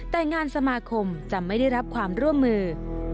แต่งานสมาคมจะไม่ได้รับความร่วมมือ